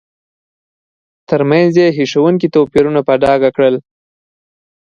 ترمنځ یې هیښوونکي توپیرونه په ډاګه کړل.